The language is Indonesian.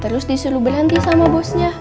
terus disuruh berhenti sama bosnya